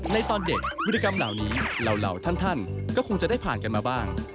ในตอนเด็กพฤติกรรมเหล่านี้เหล่าท่านก็คงจะได้ผ่านกันมาบ้าง